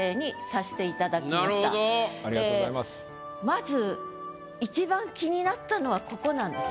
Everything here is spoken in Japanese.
まずいちばん気になったのはここなんです。